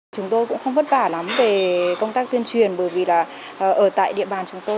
chúng tôi cũng không vất vả lắm về công tác tuyên truyền bởi vì là ở tại địa bàn chúng tôi